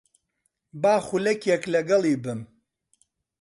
با خولەکێک لەگەڵی بم.